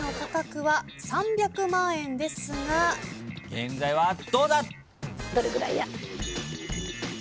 現在はどうだ！？